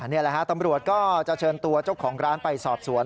นี่แหละฮะตำรวจก็จะเชิญตัวเจ้าของร้านไปสอบสวน